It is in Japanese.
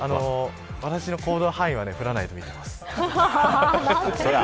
私の行動範囲は降らないと思います。